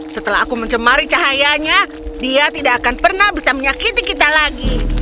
setelah aku mencemari cahayanya dia tidak akan pernah bisa menyakiti kita lagi